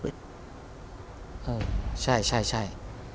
เออใช่